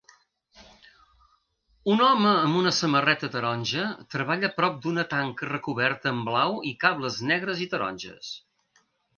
Un home amb una samarreta taronja treballa prop d'una tanca recoberta amb blau i cables negres i taronges.